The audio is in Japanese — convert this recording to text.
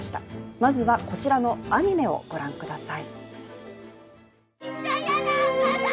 まずはこちらのアニメをご覧ください。